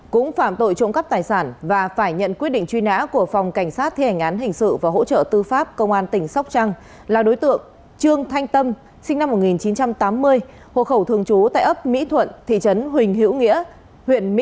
cũng phạm tội trộm cấp tài sản và phải nhận quyết định truy nã của phòng cảnh sát thế hành án hình sự và hỗ trợ tư pháp công an tỉnh sóc trăng là đối tượng trương thanh tâm sinh năm một nghìn chín trăm tám mươi